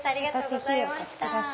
ぜひお越しください。